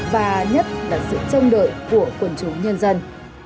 và nhất là sự trông đợi của quần chúng nhân dân